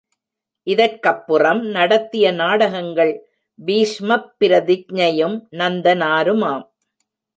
இதற்கப்புறம் நடத்திய நாடகங்கள் பீஷ்மப் பிரதிக்ஞையும் நந்தனாருமாம்.